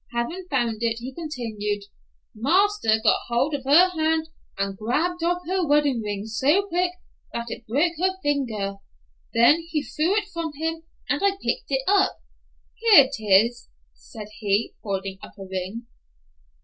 Having found it, he continued, "Marster got hold of her hand and grabbed off her wedding ring so quick that it broke her finger. Then he threw it from him and I picked it up. Here 'tis," said he, holding up a ring.